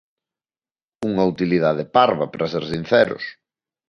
Unha utilidade parva, para ser sinceros.